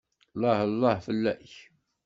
Llah llah fell-ak!